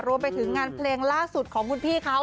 รวมไปถึงงานเพลงล่าสุดของคุณพี่เขา